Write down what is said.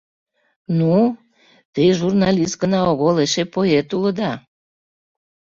Ну-у, те журналист гына огыл, эше поэт улыда.